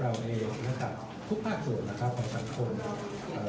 เราเองทุกภาคนสำคม